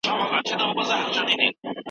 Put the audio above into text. د بهرنی پالیسي پلي کول له خنډونو خالي نه دي.